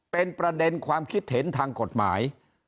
เป็นประเด็นความคิดเห็นทางกฎหมาย